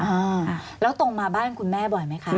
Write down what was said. อ่าแล้วตรงมาบ้านคุณแม่บ่อยไหมคะ